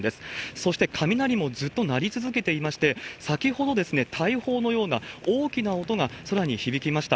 そして雷もずっと鳴り続けていまして、先ほど大砲のような大きな音が空に響きました。